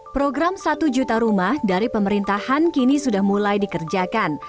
program satu juta rumah dari pemerintahan kini sudah mulai dikerjakan